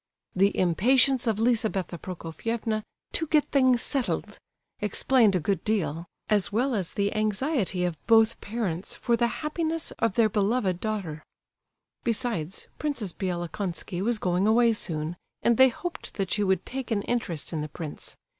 The impatience of Lizabetha Prokofievna "to get things settled" explained a good deal, as well as the anxiety of both parents for the happiness of their beloved daughter. Besides, Princess Bielokonski was going away soon, and they hoped that she would take an interest in the prince.